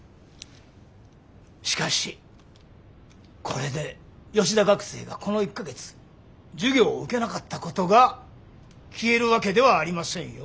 しかしこれで吉田学生がこの１か月授業を受けなかったことが消えるわけではありませんよ。